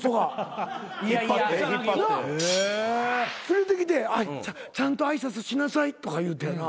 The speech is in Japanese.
連れてきて「ちゃんと挨拶しなさい」とか言うてやな。